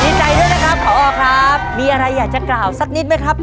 ดีใจด้วยนะครับพอครับมีอะไรอยากจะกล่าวสักนิดไหมครับ